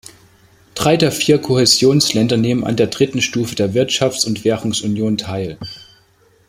Drei der vier Kohäsionsländer nehmen an der dritten Stufe der Wirtschafts- und Währungsunion teil.